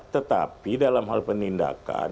tetapi dalam hal penindakan